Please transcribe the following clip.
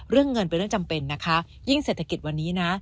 เรื่องเงินเป็นเรื่องจำเป็นนะคะยิ่งเศรษฐกิจวันนี้นะ